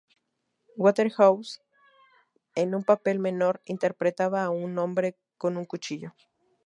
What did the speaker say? Waterhouse, en un papel menor, interpretaba a un hombre con un cuchillo.